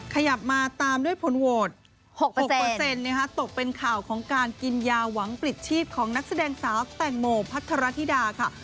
ขยับมาตามด้วยผลโวชน์๖เปอร์เซ็นต์ตกเป็นข่าวของการกินยาหวังปลิดชีพของนักแสดงสาวแต่งโหมพัฒนฤทธิดา